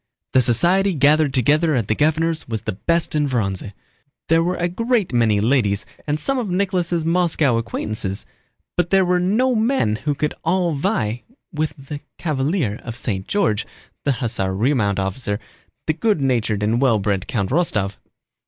The society gathered together at the governor's was the best in Vorónezh. There were a great many ladies and some of Nicholas' Moscow acquaintances, but there were no men who could at all vie with the cavalier of St. George, the hussar remount officer, the good natured and well bred Count Rostóv.